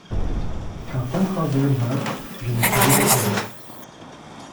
Quand Tannhäuser meurt, je me suis mis à pleurer.